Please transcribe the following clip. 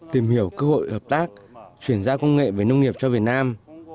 tìm hiểu cơ hội hợp tác chuyển giao công nghệ về nông nghiệp cho việt nam